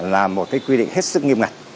là một cái quy định hết sức nghiêm ngặt